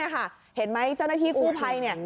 เห็นไหมเจ้าหน้าที่กู้ภัยเนี่ย